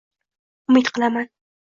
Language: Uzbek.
Umid qilaman.